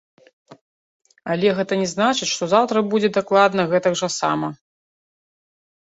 Але гэта не значыць, што заўтра будзе дакладна гэтак жа сама.